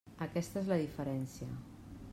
Aquesta és la diferència.